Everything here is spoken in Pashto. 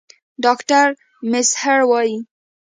ډاکټر میزهر وايي